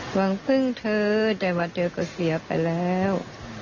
หวังพึ่งเธอแต่ว่าเธอก็เสียไปแล้ว